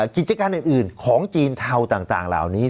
กิจการอื่นของจีนเทาต่างเหล่านี้